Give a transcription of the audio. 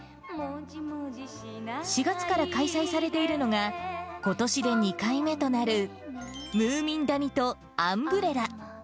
４月から開催されているのが、ことしで２回目となるムーミン谷とアンブレラ。